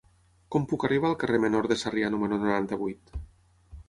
Com puc arribar al carrer Menor de Sarrià número noranta-vuit?